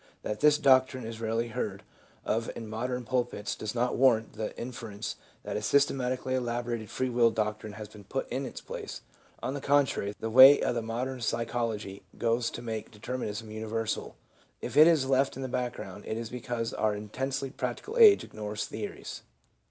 That this doctrine is rarely heard of in modern pulpits does not warrant the inference that a systematically elaborated free will doctrine has been put in its place ; on the contrary, the weight of modern psychology goes to make determinism universal ; if it is left in the background, it is because our intensely prac tical age ignores theories.